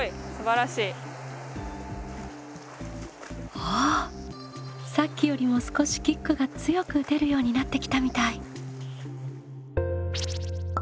おっさっきよりも少しキックが強く打てるようになってきたみたい。